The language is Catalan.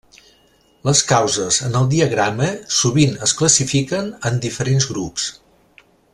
Les causes en el diagrama sovint es classifiquen en diferents grups.